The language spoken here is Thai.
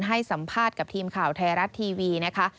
ให้สัมภาษณ์กับทีมข่าวไทยรัฐทีวีนะคะ